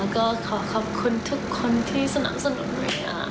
ก็ขอขอบคุณทุกคนที่สนับสนุนเวลา